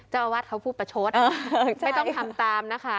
เจ้าวาดเขาผู้ประโชชน์อ่าใช่ไม่ต้องทำตามนะคะ